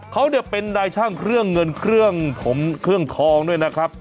เขาเนี่ยเป็นนายช่างเครื่องเงินเครื่องถมเครื่องทองด้วยนะครับ